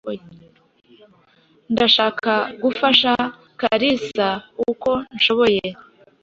Ndashaka gufasha Kalisa uko nshoboye.